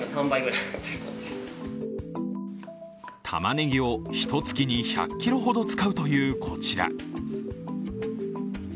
たまねぎを１カ月に１００ｋｇほど使うというこちら。